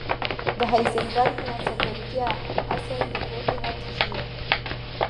د هایزنبرګ ناڅرګندتیا اصل د پوهې حد ښيي.